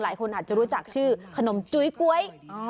หลายคนอาจจะรู้จักชื่อขนมจุ้ยก๊วย